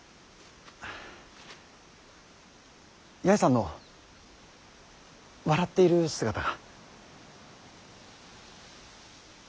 八重さんの笑っている姿が。